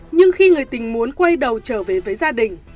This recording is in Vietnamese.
nhưng khi người tình muốn quay đầu trở về với gia đình